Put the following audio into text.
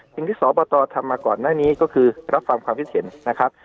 สอบตทำมาก่อนหน้านี้ก็คือรับฟังความคิดเห็นนะครับ